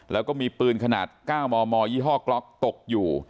แล้วก็มีปืนขนาด๙มมยี่ห้อกล็อกตกอยู่